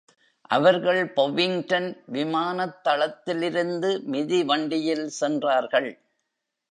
அவர்கள் பொவிங்டன் விமானத்தளத்திலிருந்து மிதிவண்டியில் சென்றார்கள்.